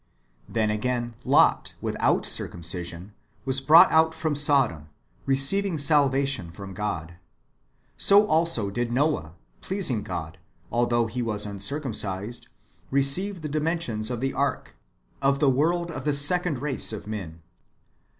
^ Then, again, Lot, without circumcision, was brought out from Sodom, receiving salvation from God. So also did Noah, pleasing God, although he was uncircumcised, receive the dimensions [of the ark], of the world of the second race [of men].